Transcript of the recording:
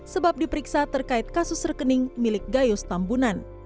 sebab diperiksa terkait kasus rekening milik gayus tambunan